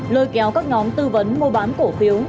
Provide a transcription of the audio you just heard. lơi kéo các ngón tư vấn mua bán cổ phiếu